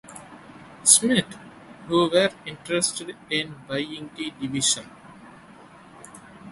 Smith, who were interested in buying the division.